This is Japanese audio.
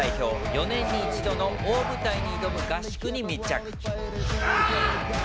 ４年に一度の大舞台に挑む合宿に密着。